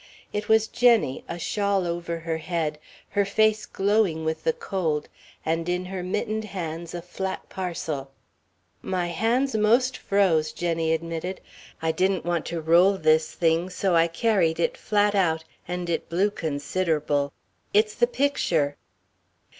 It was Jenny, a shawl over her head, her face glowing with the cold, and in her mittened hands a flat parcel. "My hand's most froze," Jenny admitted. "I didn't want to roll this thing, so I carried it flat out, and it blew consider'ble. It's the picture."